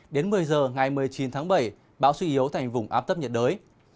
đến một mươi h ngày một mươi chín tháng bảy bão suy yếu thành vùng áp tấp nhiệt đới